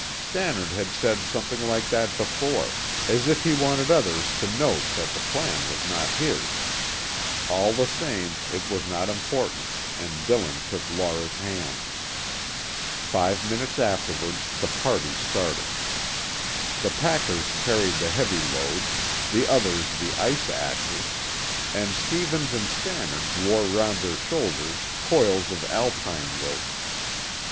Stannard had said something like that before, as if he wanted others to note that the plan was not his. All the same, it was not important, and Dillon took Laura's hand. Five minutes afterwards the party started. The packers carried the heavy loads, the others the ice axes, and Stevens and Stannard wore round their shoulders coils of Alpine rope.